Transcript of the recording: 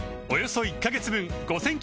およそ１カ月分